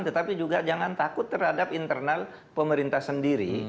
tetapi juga jangan takut terhadap internal pemerintah sendiri